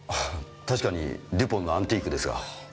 確かにデュポンのアンティークですが。